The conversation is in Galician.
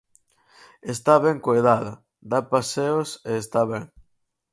Está ben coidada, dá paseos e está ben.